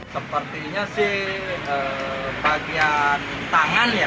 sepertinya sih bagian tangan ya